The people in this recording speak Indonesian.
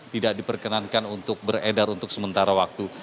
tidak diperkenankan untuk beredar untuk sementara waktu